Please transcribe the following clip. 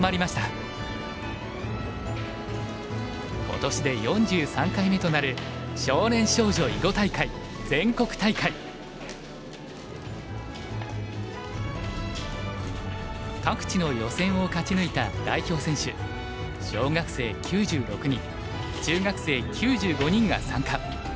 今年で４３回目となる各地の予選を勝ち抜いた代表選手小学生９６人中学生９５人が参加。